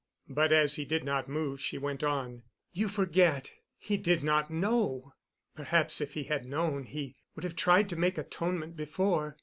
But, as he did not move, she went on. "You forget—he did not know. Perhaps if he had known he would have tried to make atonement before.